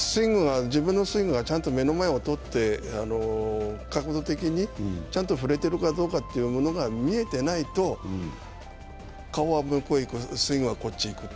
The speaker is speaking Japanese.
自分のスイングがちゃんと目の前を通って角度的にちゃんと振れてるかどうかというのが見えてないと、顔は向こうへ行く、スイングはこっち行くって